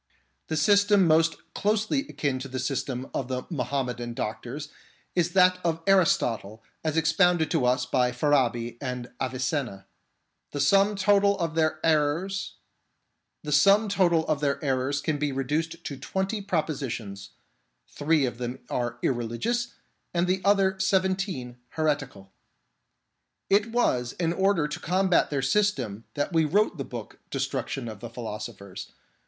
The system most closely akin to the system of the Muhammedan doctors is that of Aristotle as expounded to us by Farabi and Avicenna. The sum total of their errors can be reduced to twenty propositions : three of them are irreligious, and the other seven teen heretical. It was in order to combat their system that we wrote the work Destruction of the Philosophers.